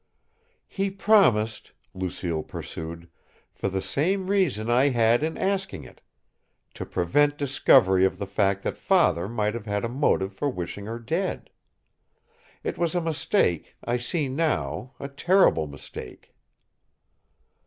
"He promised," Lucille pursued, "for the same reason I had in asking it to prevent discovery of the fact that father might have had a motive for wishing her dead! It was a mistake, I see now, a terrible mistake!"